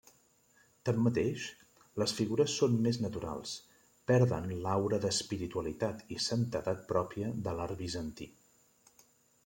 Tanmateix, les figures són més naturals, perden l'aura d'espiritualitat i santedat pròpia de l'art bizantí.